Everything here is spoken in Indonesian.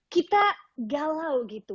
kita galau gitu